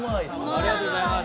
ありがとうございます。